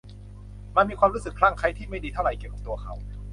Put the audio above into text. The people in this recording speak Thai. มันมีความรู้สึกคลั่งไคล้ที่ไม่ดีเท่าไหร่เกี่ยวกับตัวเขา